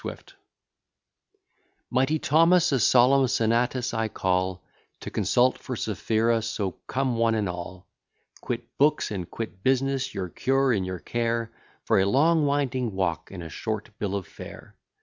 SWIFT Mighty Thomas, a solemn senatus I call, To consult for Sapphira; so come one and all; Quit books, and quit business, your cure and your care, For a long winding walk, and a short bill of fare.